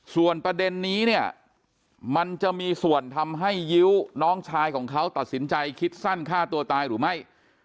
ส่วนประเด็นนี้เนี่ยมันจะมีส่วนทำให้ยิ้วน้องชายของเขาตัดสินใจคิดสั้นฆ่าตัวตายหรือไม่